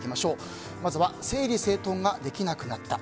まずは整理整頓ができなくなった。